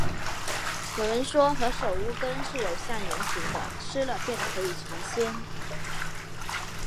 有人说，何首乌根是有像人形的，吃了便可以成仙